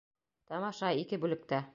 Тамаша, ике бүлектә